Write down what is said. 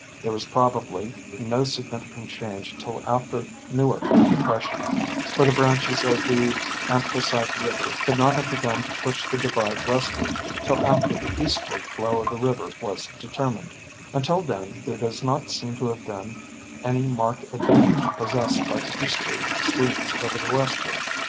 There was probably no significant change until after Newark depression, for the branches of the Anthracite river could not have begun to push the divide westward till after the eastward flow of the river was determined ; until then, there does not seem to have been any marked advantage possessed by the eastward streams over the westward.